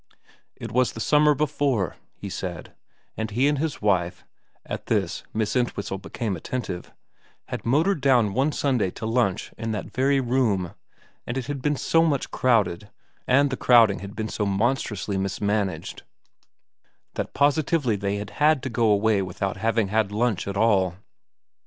It was the summer before, he said, and he and his wife at this Miss Entwhistle became attentive had motored down one Sunday to lunch in that very room, and it had been so much crowded, and the crowding had been so monstrously mismanaged, that positively they had had to go away without having had lunch at all.